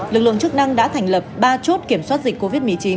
lực lượng chức năng đã thành lập ba chốt kiểm soát dịch covid một mươi chín